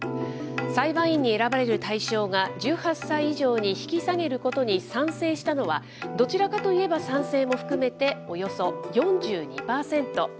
裁判員に選ばれる対象が１８歳以上に引き下げることに賛成したのは、どちらかといえば賛成も含めておよそ４２％。